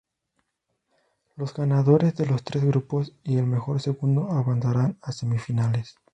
Los ganadores de los tres grupos y el mejor segundo avanzarán a semifinales.